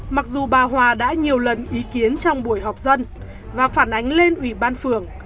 mặc dù bà hòa đã nhiều lần ý kiến trong buổi họp dân và phản ánh lên ủy ban phường